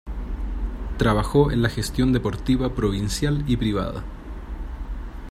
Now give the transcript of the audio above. Trabajó en la gestión deportiva provincial y privada.